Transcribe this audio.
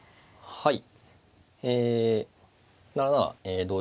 はい。